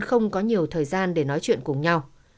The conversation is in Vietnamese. không có nhiều thời gian để nói chuyện cùng nhau